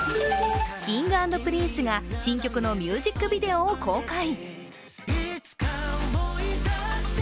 Ｋｉｎｇ＆Ｐｒｉｎｃｅが新曲のミュージックビデオを公開。